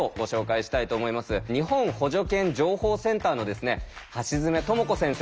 日本補助犬情報センターの橋爪智子先生。